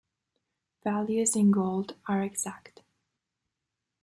Values in bold are exact.